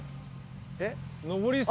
えっ？